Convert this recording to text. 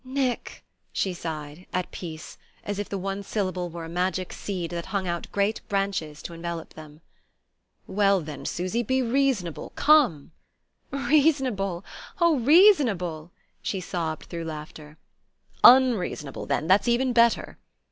"Nick!" she sighed, at peace, as if the one syllable were a magic seed that hung out great branches to envelop them. "Well, then, Susy, be reasonable. Come!" "Reasonable oh, reasonable!" she sobbed through laughter. "Unreasonable, then! That's even better."